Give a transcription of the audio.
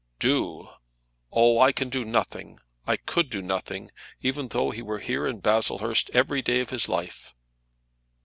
"Do! Oh, I can do nothing. I could do nothing, even though he were here in Baslehurst every day of his life.